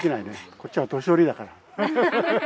こっちは年寄りだから。